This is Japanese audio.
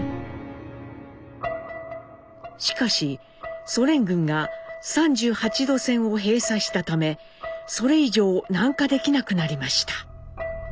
しかしソ連軍が３８度線を閉鎖したためそれ以上南下できなくなりました。